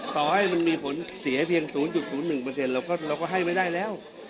ต่อให้มันมีผลเสียเพียง๐๐๑เราก็ให้ไม่ได้แล้ว